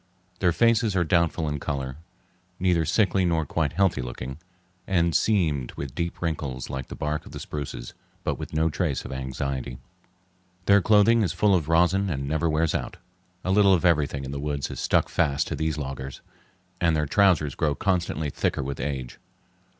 Their faces are doubtful in color, neither sickly nor quite healthy looking, and seamed with deep wrinkles like the bark of the spruces, but with no trace of anxiety. Their clothing is full of rosin and never wears out. A little of everything in the woods is stuck fast to these loggers, and their trousers grow constantly thicker with age.